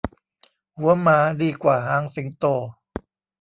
หัวหมาดีกว่าหางสิงโต